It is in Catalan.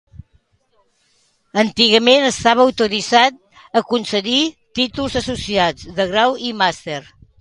Antigament estava autoritzat a concedir, títols associats, de grau i màster.